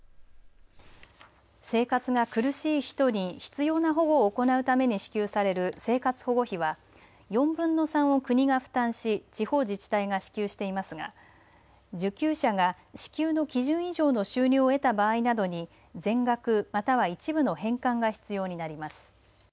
生活が苦しい人に必要な保護を行うために支給される生活保護費は４分の３を国が負担し地方自治体が支給していますが受給者が支給の基準以上の収入を得た場合などに全額、または一部の返還が必要になります。